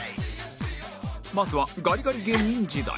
まずはガリガリ芸人時代